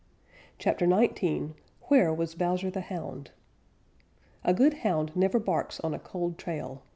CHAPTER XIX WHERE WAS BOWSER THE HOUND? A good Hound never barks on a cold trail.